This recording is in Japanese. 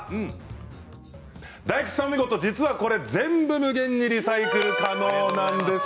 大吉さん、見事全部、無限にリサイクル可能なんです。